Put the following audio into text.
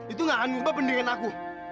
itu gak anggup balik pendirian aku